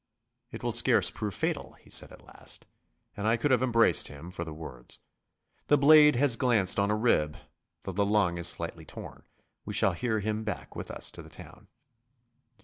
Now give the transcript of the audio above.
'It will scarce prove fatal,' he said at last, and I could have embraced him for the words. 'The blade has glanced on a rib, though the lung is slightly torn. We shall hear him back with us to the town.